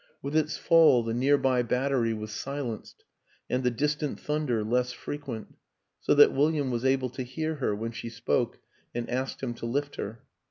With its fall the near by battery was silenced and the distant thunder less fre quent; so that William was able to hear her when she spoke and asked him to lift her.